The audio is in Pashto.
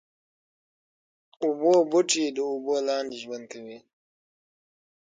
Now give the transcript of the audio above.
اوبو بوټي د اوبو لاندې ژوند کوي